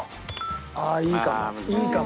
ああいいかも。